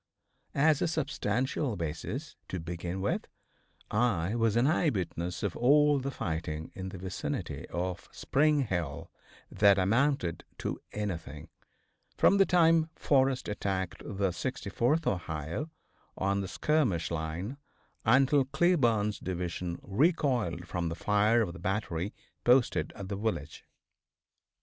As a substantial basis, to begin with, I was an eye witness of all the fighting in the vicinity of Spring Hill, that amounted to anything, from the time Forrest attacked the 64th Ohio on the skirmish line until Cleburne's Division recoiled from the fire of the battery posted at the village.